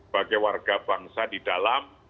bagi warga bangsa di dalam